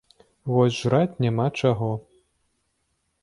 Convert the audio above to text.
Вось жраць няма чаго.